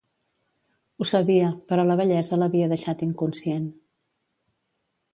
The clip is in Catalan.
Ho sabia, però la bellesa l'havia deixat inconscient.